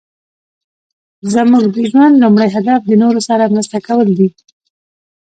زموږ د ژوند لومړی هدف د نورو سره مرسته کول دي.